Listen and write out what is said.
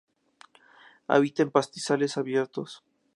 Habita en pastizales abiertos.